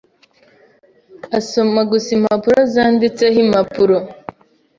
asoma gusa impapuro zanditseho impapuro.